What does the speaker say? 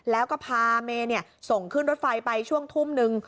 แล้วก็พาเมย์ส่งขึ้นรถไฟไปช่วงทุ่มนึง